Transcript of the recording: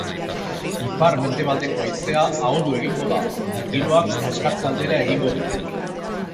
Ipar-mendebaldeko haizea ahuldu egingo da eta giroak freskatze aldera egingo du.